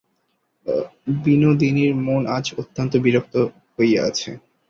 বিনোদিনীর মন আজ অত্যন্ত বিরক্ত হইয়া আছে।